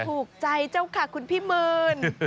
ถูกใจเจ้าค่ะคุณพี่มืน